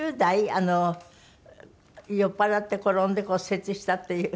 あの酔っ払って転んで骨折したっていう。